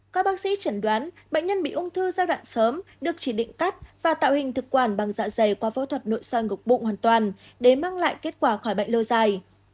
các bác sĩ chẩn đoán bệnh nhân bị ung thư giai đoạn sớm được chỉ định cắt và tạo hình thực quản bằng dạ dày qua phẫu thuật nội soi gục bụng hoàn toàn để mang lại kết quả khỏi bệnh lâu dài